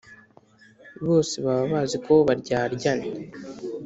bose baba bazi ko baryaryana,